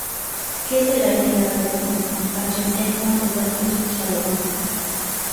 քեզ է՞լ այդ երազ է թվում,- կանչեց Էմման ուրախ կչկչալով: